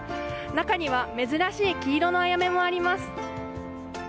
中には珍しい黄色のアヤメもあります。